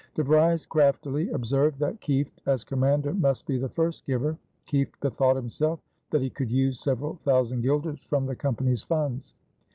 De Vries craftily observed that Kieft as commander must be the first giver. Kieft bethought himself that he could use several thousand guilders from the Company's funds.